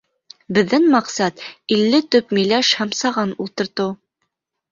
Беҙҙең маҡсат — илле төп миләш һәм саған ултыртыу.